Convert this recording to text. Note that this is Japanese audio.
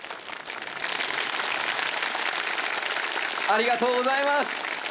ありがとうございます。